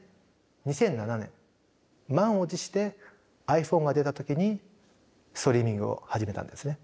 ２００７年満を持してｉＰｈｏｎｅが出た時にストリーミングを始めたんですね。